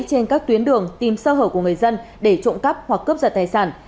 trên các tuyến đường tìm sơ hở của người dân để trộm cắp hoặc cướp giật tài sản